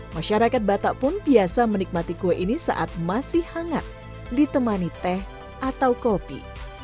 masyarakat batak pun biasa menikmati kue ini saat masih hangat ditemani teh atau kopi